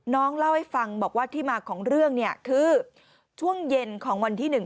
น้องเล่าให้ฟังบอกว่าที่มาของเรื่องเนี่ยคือช่วงเย็นของวันที่หนึ่ง